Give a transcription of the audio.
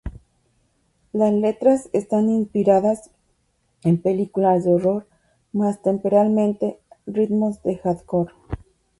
Las letras están inspiradas en películas de horror más temperamental, ritmos de "hardcore".